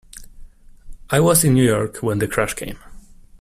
I was in New York when the crash came.